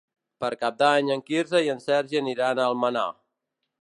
Per Cap d'Any en Quirze i en Sergi aniran a Almenar.